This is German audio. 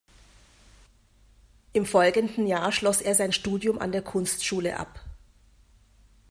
Im folgenden Jahr schloss er sein Studium an der Kunstschule ab.